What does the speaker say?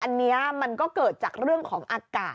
อันนี้มันก็เกิดจากเรื่องของอากาศ